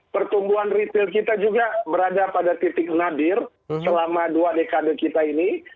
pertumbuhan retail kita juga berada pada titik nadir selama dua dekade kita ini